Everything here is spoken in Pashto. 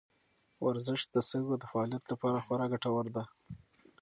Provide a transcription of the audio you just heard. ورزش د سږو د فعالیت لپاره خورا ګټور دی.